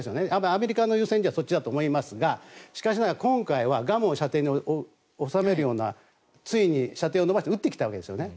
アメリカの優先順位はそっちだと思いますがしかしながら今回はグアムを射程に収めるような射程を延ばして撃ってきたわけですよね。